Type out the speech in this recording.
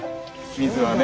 水はね。